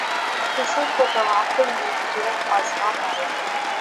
حسن کو تغافل میں جرأت آزما پایا